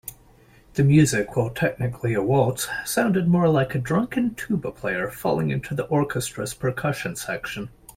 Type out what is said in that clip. The music, while technically a waltz, sounded more like a drunken tuba player falling into the orchestra's percussion section.